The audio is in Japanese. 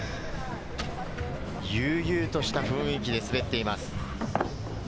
悠々とした雰囲気で滑っています。